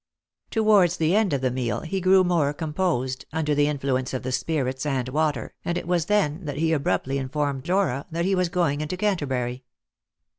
Towards the end of the meal he grew more composed, under the influence of the spirits and water, and it was then that he abruptly informed Dora that he was going into Canterbury.